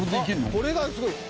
これがすごい。